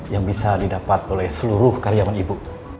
yang bisa didapat oleh seluruh karyawan ibu